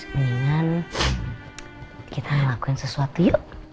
mendingan kita lakuin sesuatu yuk